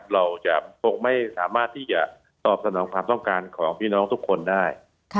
เราจะไม่สามารถตอบสำนักของความต้องการของพี่น้องทุกคนได้